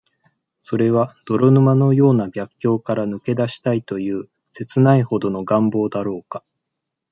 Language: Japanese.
それは、泥沼のような逆境からぬけだしたいという、切ないほどの願望だろうか。